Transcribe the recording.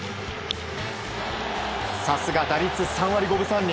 さすが、打率３割５分３厘。